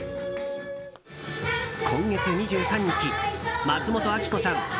今月２３日、松本明子さん